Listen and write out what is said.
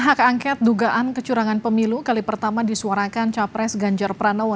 hak angket dugaan kecurangan pemilu kali pertama disuarakan capres ganjar pranowo